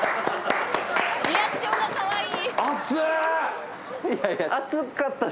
リアクションがかわいい。